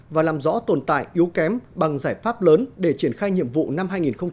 và làm rõ tồn tại yếu kém bằng giải pháp lớn để triển khai nhiệm vụ năm hai nghìn hai mươi